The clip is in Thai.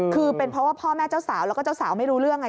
คือเป็นเพราะว่าพ่อแม่เจ้าสาวแล้วก็เจ้าสาวไม่รู้เรื่องไง